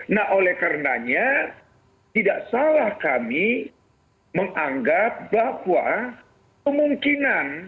nah oleh karenanya tidak salah kami menganggap bahwa kemungkinan